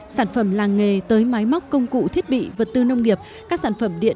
sản phẩm làng nghề tới máy móc công cụ thiết bị vật tư nông nghiệp các sản phẩm điện